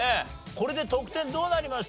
これで得点どうなりました？